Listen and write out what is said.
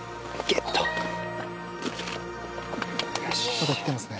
まだ来てますね。